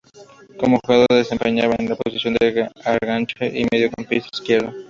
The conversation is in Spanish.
Como jugador se desempeñaba en la posición de enganche y mediocampista izquierdo.